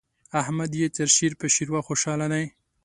احمد يې تر شير په شېروا خوشاله دی.